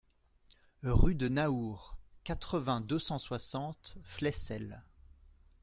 Rue de Naours, quatre-vingts, deux cent soixante Flesselles